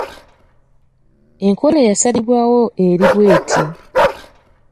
Enkola eyo eyasalibwawo eri bw’eti: